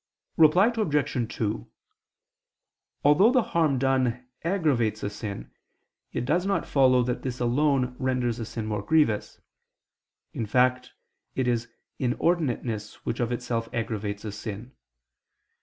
Reply Obj. 2: Although the harm done aggravates a sin, it does not follow that this alone renders a sin more grievous: in fact, it is inordinateness which of itself aggravates a sin.